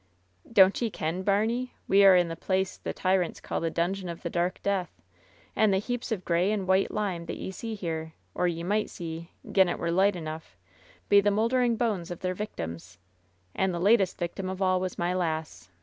"Don't ye ken, baimie, we are in the place the tyrants called the Dungeon of the Dark Death ? And the heaps of gray and white lime that ye see here — or ye might see, gin it were light enough — ^be the moldering bones of their victims. And the latest victim of all was my lass!